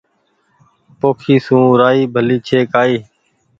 پوکي سون رآئي ڀلي ڇي ڪآئي